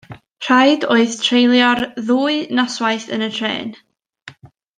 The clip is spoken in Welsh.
Rhaid oedd treulio'r ddwy noswaith yn y trên.